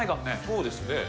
そうですね。